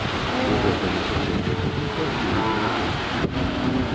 У гэтым і суседніх будынках выбітыя вокны.